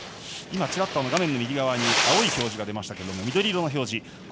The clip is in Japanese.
チラッと画面の右側に青い表示が出ましたが緑色の表示。